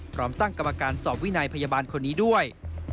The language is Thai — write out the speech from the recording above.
พร้อมตั้งกรรมการสอบวินัยพยาบาลคนนี้ด้วย